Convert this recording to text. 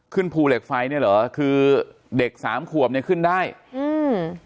ภูเหล็กไฟเนี้ยเหรอคือเด็กสามขวบเนี้ยขึ้นได้อืม